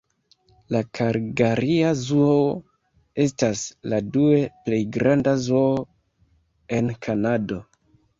La kalgaria zoo estas la due plej granda zoo en Kanado.